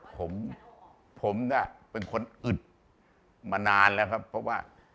ผมผมเนี่ยเป็นคนอึดมานานแล้วครับเพราะว่า